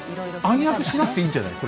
暗躍しなくていいんじゃない？